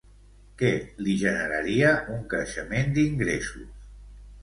Què li generaria un creixement d'ingressos?